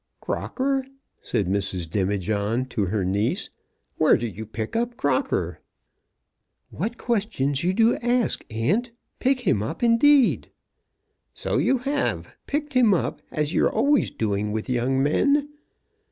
"Crocker!" said Mrs. Demijohn to her niece; "where did you pick up Crocker?" "What questions you do ask, aunt! Pick him up, indeed!" "So you have ; picked him up, as you're always a doing with young men.